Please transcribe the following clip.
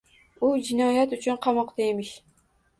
U jinoyat uchun qamoqda emish.